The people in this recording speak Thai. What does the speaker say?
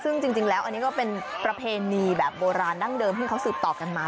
ซึ่งจริงแล้วอันนี้ก็เป็นประเพณีแบบโบราณดั้งเดิมที่เขาสืบต่อกันมา